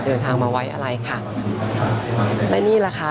เดินทางมาไว้อะไรค่ะและนี่แหละค่ะ